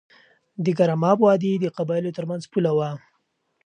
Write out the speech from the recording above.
د ګرم آب وادي د قبایلو ترمنځ پوله وه.